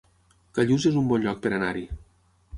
Callús es un bon lloc per anar-hi